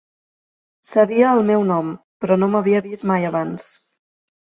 Sabia el meu nom, però no m'havia vist mai abans.